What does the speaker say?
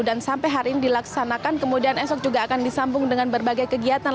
dan sampai hari ini dilaksanakan kemudian esok juga akan disambung dengan berbagai kegiatan